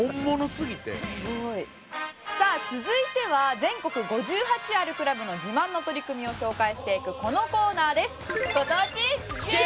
すごい。さあ続いては全国５８あるクラブの自慢の取り組みを紹介していくこのコーナーです。